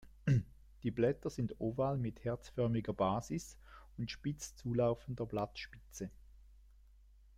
Die Blätter sind oval mit herzförmiger Basis und spitz zulaufender Blattspitze.